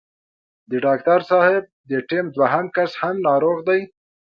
د ډاکټر صاحب د ټيم دوهم کس هم ناروغ دی.